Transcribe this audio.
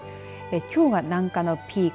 きょうは、南下のピーク